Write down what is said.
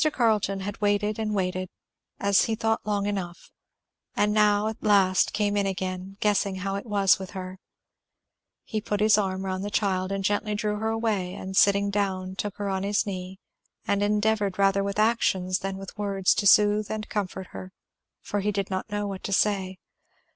Carleton had waited and waited, as he thought long enough, and now at last came in again, guessing how it was with her. He put his arm round the child and gently drew her away, and sitting down took her on his knee; and endeavoured rather with actions than with words to soothe and comfort her; for he did not know what to say.